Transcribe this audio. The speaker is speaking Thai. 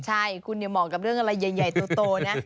ใช่คุณอย่าเหมาะกับเรื่องอะไรใหญ่โตนะ